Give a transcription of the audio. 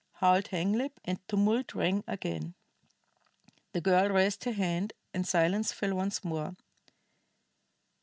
howled Hanglip, and tumult rang again. The girl raised her hand, and silence fell once more.